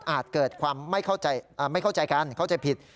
เกิดความไม่เข้าใจกันเข้าใจผิด